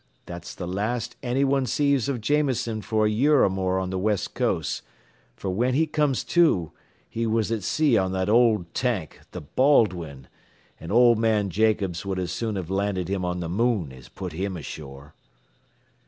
That's the last any one sees av Jameson fer a year or more on th' West Coast, fer whin he comes to, he was at sea on that old tank, th' Baldwin, an' old man Jacobs would as soon have landed him on th'moon as put him ashore."